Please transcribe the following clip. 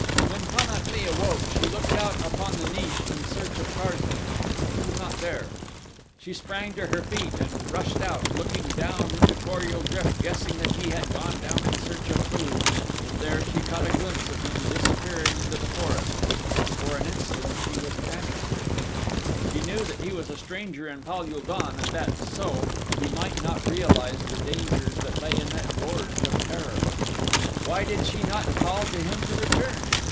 When Pan at lee awoke she looked out upon the niche in search of Tarzan. He was not there. She sprang to her feet and rushed out, looking down into Kor ul GRYF guessing that he had gone down in search of food and there she caught a glimpse of him disappearing into the forest. For an instant she was panic stricken. She knew that he was a stranger in Pal ul don and that, so, he might not realize the dangers that lay in that gorge of terror. Why did she not call to him to return?